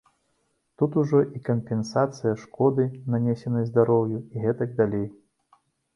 Тут ужо і кампенсацыя шкоды, нанесенай здароўю, і гэтак далей.